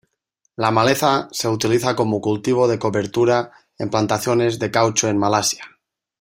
La maleza se utiliza como cultivo de cobertura en plantaciones de caucho en Malasia.